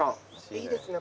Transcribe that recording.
いいですね